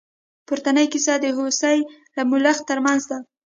پورتنۍ کیسه د هوسۍ او ملخ تر منځ ده.